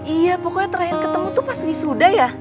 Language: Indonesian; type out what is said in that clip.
iya pokoknya terakhir ketemu tuh pas wisuda ya